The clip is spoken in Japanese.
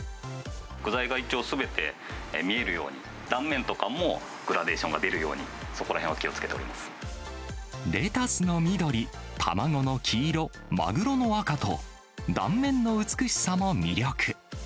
具材が一応すべて見えるように、断面とかもグラデーションが出るように、レタスの緑、卵の黄色、マグロの赤と、断面の美しさも魅力。